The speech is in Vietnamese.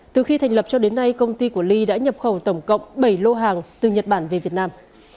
từ khi thành lập cho đến nay công ty của ly đã nhập khẩu tổng cộng bảy lô hàng từ nhật bản về việt nam